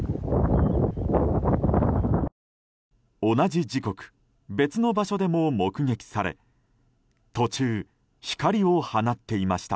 同じ時刻別の場所でも目撃され途中、光を放っていました。